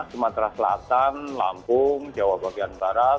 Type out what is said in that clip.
sumatera selatan lampung jawa bagian barat